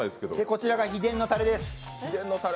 こちらが秘伝のたれです。